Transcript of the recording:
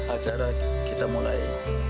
ajaran kita mulai